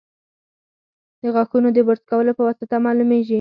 د غاښونو د برس کولو په واسطه معلومېږي.